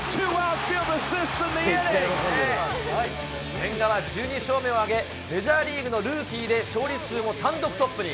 千賀は１２勝目を挙げ、メジャーリーグのルーキーで勝利数も単独トップに。